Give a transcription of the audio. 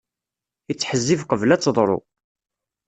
Ittḥezzib qebl ad teḍru.